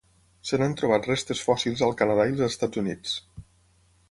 Se n'han trobat restes fòssils al Canadà i els Estats Units.